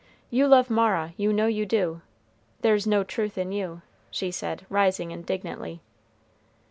You love Mara, you know you do; there's no truth in you," she said, rising indignantly.